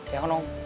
ya kan om